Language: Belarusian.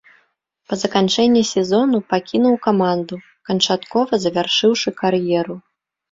Па заканчэнні сезону пакінуў каманду, канчаткова завяршыўшы кар'еру.